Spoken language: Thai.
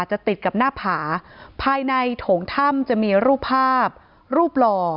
จะติดกับหน้าผาภายในโถงถ้ำจะมีรูปภาพรูปหล่อ